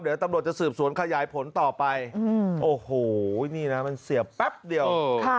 เดี๋ยวตำรวจจะสืบสวนขยายผลต่อไปโอ้โหนี่นะมันเสียแป๊บเดียว